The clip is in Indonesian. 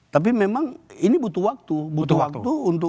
tapi memang ini butuh waktu